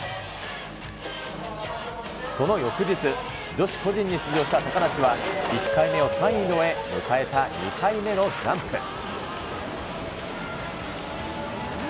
その翌日、女子個人に出場した高梨は、１回目を３位で終え、迎えた２回目のジャンプ。